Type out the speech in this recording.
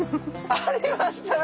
ありましたよ